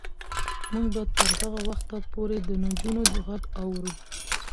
موږ به تر هغه وخته پورې د نجونو غږ اورو.